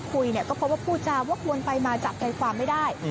แล้วพอพยายามพูดคุยก็พบว่าผู้จาว่าควรไปมาจัดใจความไม่ได้